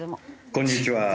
こんにちは。